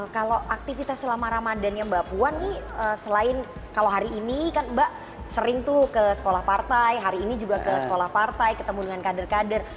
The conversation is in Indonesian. kalau aktivitas selama ramadannya mbak puan nih selain kalau hari ini kan mbak sering tuh ke sekolah partai hari ini juga ke sekolah partai ketemu dengan kader kader